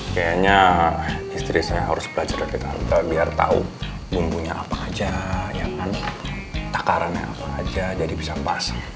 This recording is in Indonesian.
kayaknya istri saya harus belajar biar tahu bumbunya apa aja takarannya apa aja jadi bisa pas